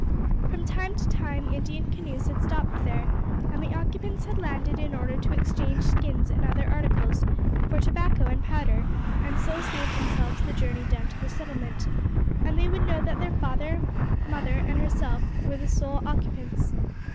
From time to time Indian canoes had stopped there, and the occupants had landed in order to exchange skins and other articles for tobacco and powder, and so save themselves the journey down to the settlement, and they would know that her mother, father, and herself were the sole occupants.